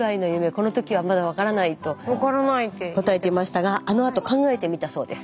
この時はまだ分からないと答えていましたがあのあと考えてみたそうです。